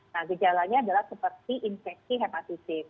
nah gejalanya adalah seperti infeksi hepatitis